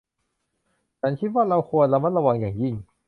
ฉันคิดว่าเราควรระมัดระวังอย่างยิ่ง